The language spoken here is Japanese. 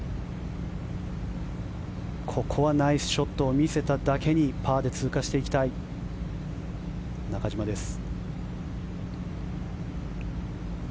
ここはナイスショットを見せただけにパーで通過していきたい中島です。